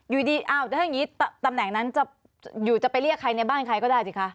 อยู่ดีอ้าวถ้าอย่างนี้ตำแหน่งนั้นจะอยู่จะไปเรียกใครในบ้านใครก็ได้สิคะ